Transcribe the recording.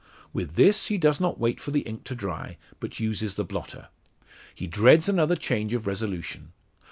With this, he does not wait for the ink to dry, but uses the blotter. He dreads another change of resolution.